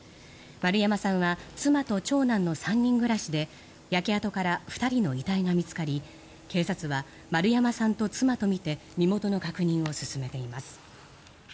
丸山さんは妻と長男の３人暮らしで焼け跡から２人の遺体が見つかり警察は、丸山さんと妻とみて身元の確認を進めています。